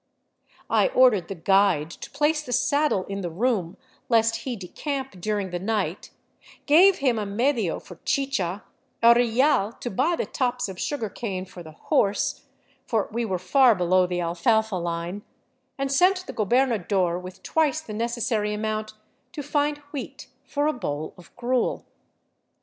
I ordered the " guide " to place the saddle in the room, lest he decamp during the night, gave him a medio for chicha, a real to buy the tops of sugar cane for the " horse "— for 295 VAGABONDING DOWN THE ANDES we were far below the alfalfa line — and sent the gobernador with twice the necessary amount to find wheat for a bowl of gruel.